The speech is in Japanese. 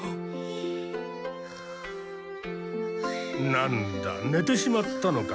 なんだねてしまったのか。